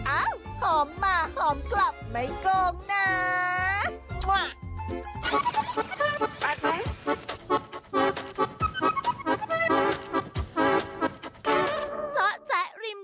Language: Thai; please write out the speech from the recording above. หอมมาหอมกลับไม่โกงนะ